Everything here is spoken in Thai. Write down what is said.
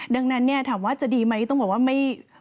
ดังนั้นเนี่ยถามว่าจะดีไหมต้องบอกว่าไม่